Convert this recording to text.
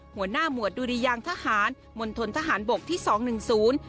หัวหน้าหมวดดุริยางทหารมณฑนทหารบกที่สองหนึ่งศูนย์